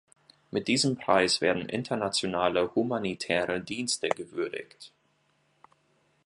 Mit diesem Preis werden internationale humanitäre Dienste gewürdigt.